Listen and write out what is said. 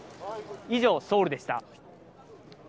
以上、ソウルでした。